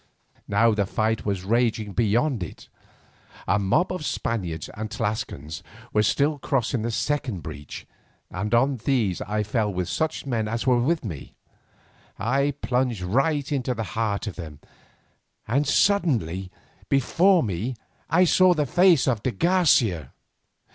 Now the fight was raging beyond it. A mob of Spaniards and Tlascalans were still crossing the second breach, and on these I fell with such men as were with me. I plunged right into the heart of them, and suddenly before me I saw the face of de Garcia.